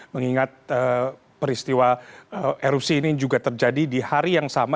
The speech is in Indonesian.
mengingat peristiwa erupsi ini juga terjadi di hari yang sama